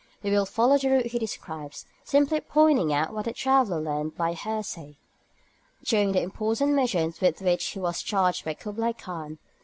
We will follow the route he describes, simply pointing out what the traveller learnt by hearsay, during the important missions with which he was charged by Kublaï Khan.